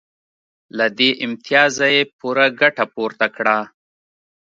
له دې امتیازه یې پوره ګټه پورته کړه